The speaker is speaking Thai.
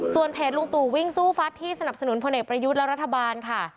เพจลุงตู่วิ่งสู้ฟัดที่สนับสนุนพลเอกประยุทธ์และรัฐบาลค่ะ